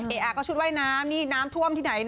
อ่ะก็ชุดว่ายน้ำนี่น้ำท่วมที่ไหน